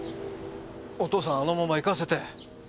お父さんあのまま行かせて。